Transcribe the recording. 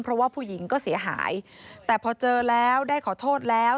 เพราะว่าผู้หญิงก็เสียหายแต่พอเจอแล้วได้ขอโทษแล้ว